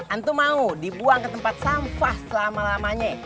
antu mau dibuang ke tempat sampah selama lamanya